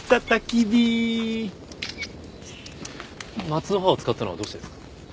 松の葉を使ったのはどうしてですか？